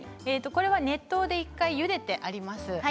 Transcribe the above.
熱湯で１回ゆでてあります。